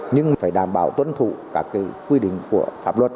nhưng phải đảm bảo tuân thủ các quy định của pháp luật